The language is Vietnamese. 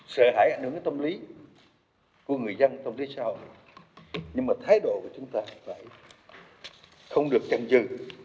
sợ hãi ảnh hưởng đến tâm lý của người dân trong thế sau nhưng mà thái độ của chúng ta phải không được chặn dư